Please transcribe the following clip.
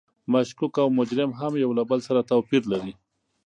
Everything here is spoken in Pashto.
مشکوک او مجرم هم یو له بل سره توپیر لري.